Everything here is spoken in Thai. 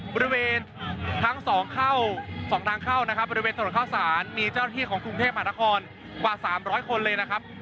บริเวณทั้งสองเข้าสองทางเข้านะครับบริเวณถนนข้าวศาลมีเจ้าที่ของกรุงเทพหมาตรคอนกว่าสามร้อยคนเลยนะครับ